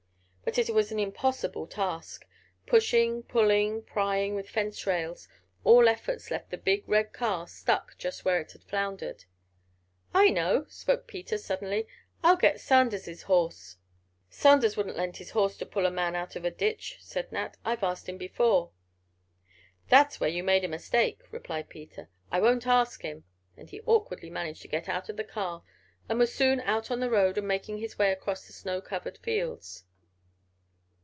But it was an impossible task. Pushing, pulling, prying with fence rails—all efforts left the big, red car stuck just where it had floundered. "I know," spoke Peter, suddenly. "I'll get Sanders's horse." "Sanders wouldn't lend his horse to pull a man out of a ditch," said Nat. "I've asked him before." "That's where you made a mistake," replied Peter. "I won't ask him," and he awkwardly managed to get out of the car, and was soon out on the road and making his way across the snow covered fields.